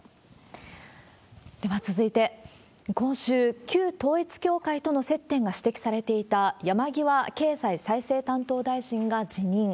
では続いて、今週、旧統一教会との接点が指摘されていた、山際経済再生担当大臣が辞任。